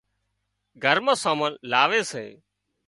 گھر مان سامان لاوي سي